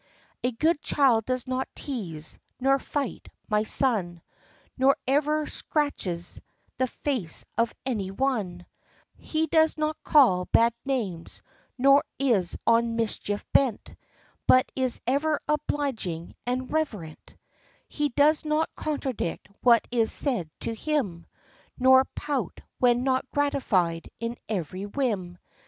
A good child does not tease, nor fight, my son, Nor ever scratches the face of any one; He does not call bad names, nor is on mischief bent, But is ever obliging and reverent; He does not contradict what is said to him, Nor pout when not gratified in every whim.